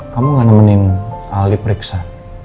kamu gak nemenin alif periksa